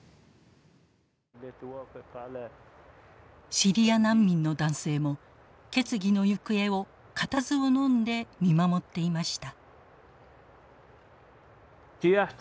シリア難民の男性も決議の行方を固唾をのんで見守っていました。